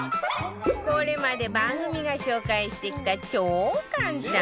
これまで番組が紹介してきた超簡単！